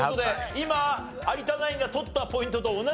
今有田ナインが取ったポイントと同じポイントが。